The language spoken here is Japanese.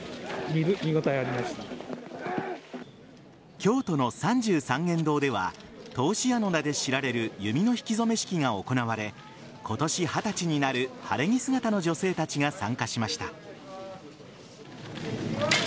京都の三十三間堂では通し矢の名で知られる弓の引き初め式が行われ今年二十歳になる晴れ着姿の女性たちが参加しました。